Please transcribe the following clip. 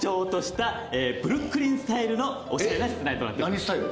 何スタイル？